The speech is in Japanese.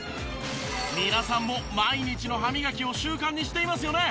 皆さんも毎日の歯磨きを習慣にしていますよね。